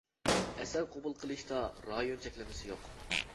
ئەسەر قوبۇل قىلىشتا رايون چەكلىمىسى يوق.